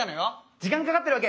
時間かかってるわけ。